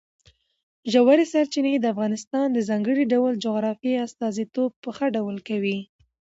ژورې سرچینې د افغانستان د ځانګړي ډول جغرافیې استازیتوب په ښه ډول کوي.